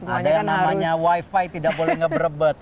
ada yang namanya wifi tidak boleh nggak berebet